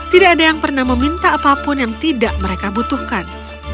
tidak ada yang pernah meminta apapun yang tidak mereka butuhkan